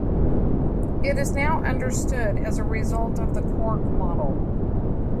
It is now understood as a result of the quark model.